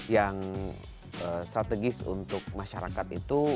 yang strategis untuk masyarakat itu